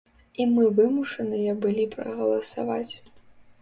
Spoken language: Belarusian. І мы вымушаныя былі прагаласаваць.